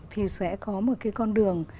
thì sẽ có một cái con đường